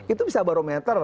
itu bisa barometer